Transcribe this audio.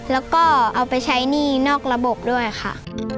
แล้วก็เอาไปใช้หนี้นอกระบบด้วยค่ะ